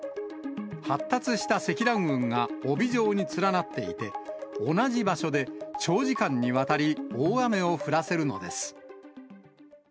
発達した積乱雲が帯状に連なっていて、同じ場所で長時間にわたり大雨を降らせるのです。